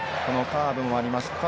このカーブもあります。